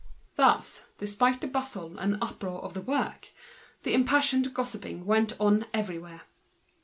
Thus, notwithstanding the bustle and uproar of the work, the impassioned gossiping went on everywhere.